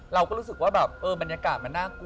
เราก็รู้สึกว่าแบบเออบรรยากาศมันน่ากลัว